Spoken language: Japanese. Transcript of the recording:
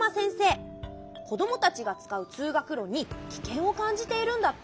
こどもたちがつかうつうがくろにきけんをかんじているんだって。